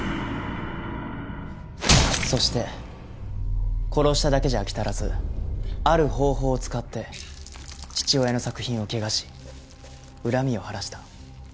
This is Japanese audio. そして殺しただけじゃ飽き足らずある方法を使って父親の作品を汚し恨みを晴らした。